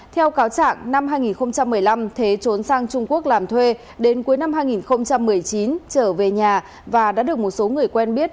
theo cáo trạng năm hai nghìn một mươi năm thế trốn sang trung quốc làm thuê đến cuối năm hai nghìn một mươi chín trở về nhà và đã được một số người quen biết